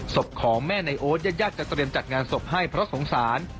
ศพของแม่ในโอ๊ตญาติจะเตรียมจัดงานศพให้เพราะสงสาร